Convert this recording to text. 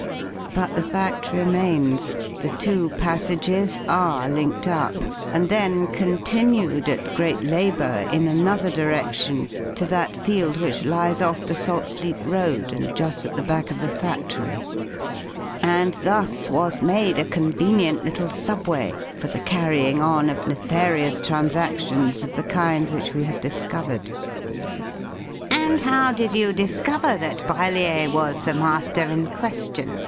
But the fact remains. The two passages are linked up, and then continued at great labour in another direction to that field which lies off the Saltfleet Road and just at the back of the factory. And thus was made a convenient little subway for the carrying on of nefarious transactions of the kind which we have discovered." "And how did you discover that Brellier was the 'Master' in question?"